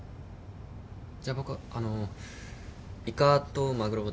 じゃ僕あのイカとマグロで。